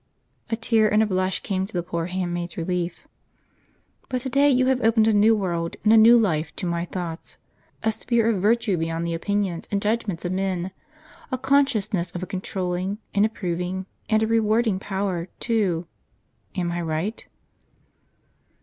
(A tear and a blush came to the poor handmaid's relief.) " But to day you have opened a new world, and a new life, to my thoughts. A sphere of virtue beyond the opinions and the judgments of men, a consciousness of a controlling, an approving, and a. rewardmg Power too; am I right?"